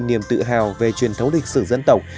niềm tự hào về truyền thống lịch sử dân tộc